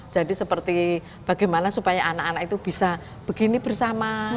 jadi seperti bagaimana supaya anak anak itu bisa begini bersama